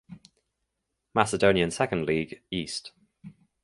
Macedonian Second League (East)